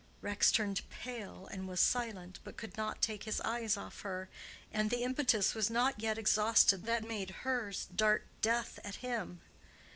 Rex turned pale and was silent, but could not take his eyes off her, and the impetus was not yet exhausted that made hers dart death at him.